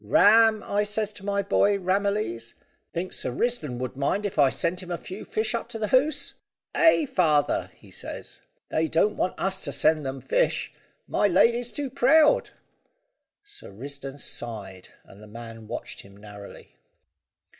`Ram,' I says to my boy Ramillies, `think Sir Risdon would mind if I sent him a few fish up to the Hoze?' "`Ay, father,' he says, `they don't want us to send them fish. My lady's too proud!'" Sir Risdon sighed, and the man watched him narrowly.